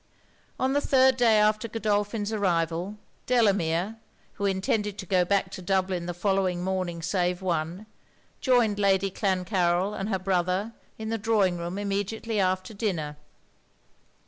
On the third day after Godolphin's arrival, Delamere, who intended to go back to Dublin the following morning save one, joined Lady Clancarryl and her brother in the drawing room immediately after dinner.